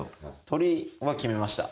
鶏は決めました。